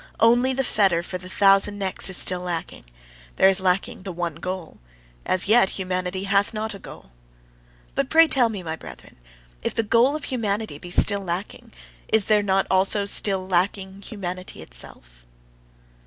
Only the fetter for the thousand necks is still lacking; there is lacking the one goal. As yet humanity hath not a goal. But pray tell me, my brethren, if the goal of humanity be still lacking, is there not also still lacking humanity itself?